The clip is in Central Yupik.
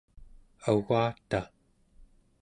au͡gataᵉ